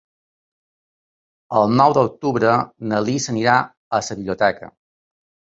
El nou d'octubre na Lis anirà a la biblioteca.